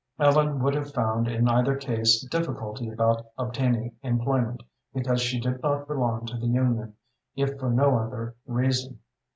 Ellen would have found in either case difficulty about obtaining employment, because she did not belong to the union, if for no other reason.